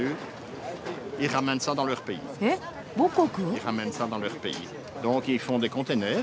えっ母国？